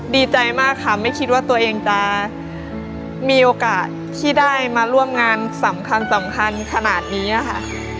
ดีใจมากค่ะไม่คิดว่าตัวเองจะมีโอกาสที่ได้มาร่วมงานสำคัญขนาดนี้ค่ะ